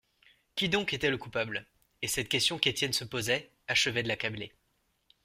Qui donc était le coupable ? et cette question qu'Étienne se posait, achevait de l'accabler.